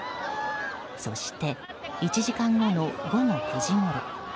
そして１時間後の午後９時ごろ。